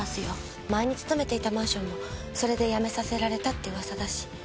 前に勤めていたマンションもそれで辞めさせられたって噂だし。